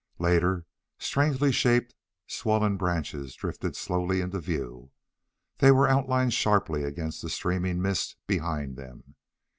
Later, strangely shaped, swollen branches drifted slowly into view. They were outlined sharply against the steaming mist behind them.